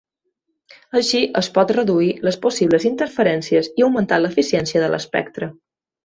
Així es pot reduir les possibles interferències i augmentar l'eficiència de l'espectre.